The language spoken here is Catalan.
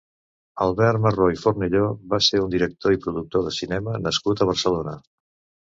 Albert Marro i Fornelio va ser un director i productor de cinema nascut a Barcelona.